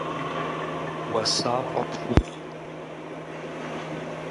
Уасафӏэ пхухъу.